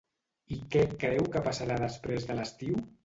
I què creu que passarà després de l'estiu?